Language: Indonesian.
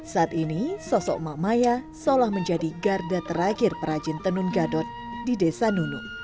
saat ini sosok emak maya seolah menjadi garda terakhir perajin tenun gadot di desa nunu